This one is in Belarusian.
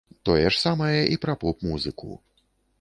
Тое ж самае і пра поп-музыку!